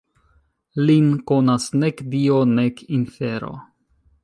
Lin konas nek Dio nek infero.